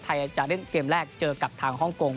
ไทยจากเรื่องเกมแรกเจอกับทางฮ่องกง